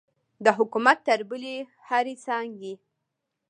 د حکومت تر بلې هرې څانګې.